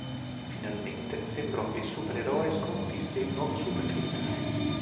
Finalmente, sembrò che il supereroe sconfisse il nuovo super criminale.